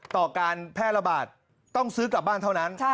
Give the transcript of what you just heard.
ต่อการแพร่ระบาดต้องซื้อกลับบ้านเท่านั้น